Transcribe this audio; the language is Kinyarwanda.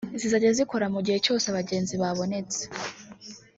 zizajya zikora mu gihe cyose abagenzi babonetse